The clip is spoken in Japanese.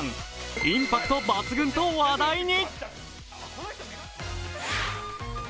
インパクト抜群と話題に。